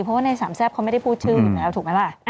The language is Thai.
เพราะว่าในสามแซ่บเขาไม่ได้พูดชื่ออยู่แล้วถูกไหมล่ะ